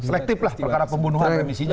selektif lah perkara pembunuhan remisinya